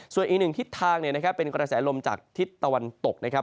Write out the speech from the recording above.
ส่วนอีกหนึ่งทิศทางเป็นกระแสลมจากทิศตะวันตกนะครับ